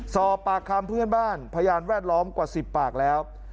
สอบปากคำเพื่อนบ้านพยานแวดล้อมกว่า๑๐ปากแล้ว